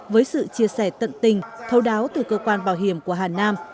với sự chia sẻ tận tình thâu đáo từ cơ quan bảo hiểm của hà nam